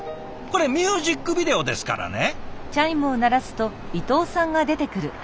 これミュージックビデオですからね。